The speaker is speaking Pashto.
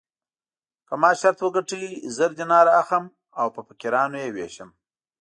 که ما شرط وګټه زر دیناره اخلم او په فقیرانو یې وېشم.